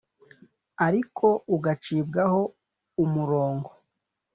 ariko ugacibwaho umurongo.